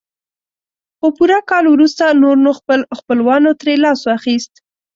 خو پوره کال وروسته نور نو خپل خپلوانو ترې لاس واخيست.